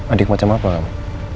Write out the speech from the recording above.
adik macam apa kamu